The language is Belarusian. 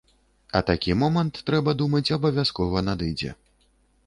А такі момант, трэба думаць, абавязкова надыдзе.